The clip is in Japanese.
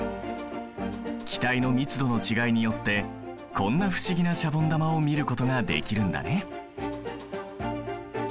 気体の密度の違いによってこんな不思議なシャボン玉を見ることができるんだね。